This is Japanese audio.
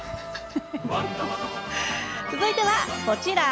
続いては、こちら。